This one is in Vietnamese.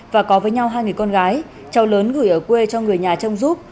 và có với nhau hai người con gái cháu lớn gửi ở quê cho người nhà trông giúp